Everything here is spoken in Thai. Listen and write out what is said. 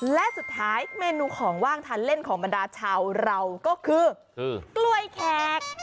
และสุดท้ายเมนูของว่างทานเล่นของบรรดาชาวเราก็คือกล้วยแขก